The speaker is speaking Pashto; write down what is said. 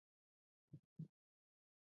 د هیلې اواز د دوی زړونه ارامه او خوښ کړل.